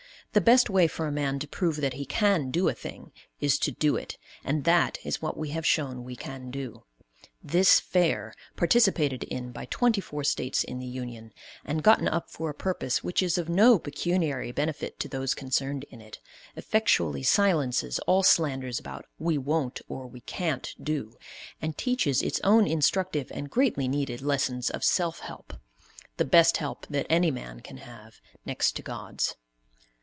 The best way for a man to prove that he can do a thing is to do it, and that is what we have shown we can do. This Fair, participated in by twenty four States in the Union, and gotten up for a purpose which is of no pecuniary benefit to those concerned in it, effectually silences all slanders about "we won't or we can't do," and teaches its own instructive and greatly needed lessons of self help, the best help that any man can have, next to God's.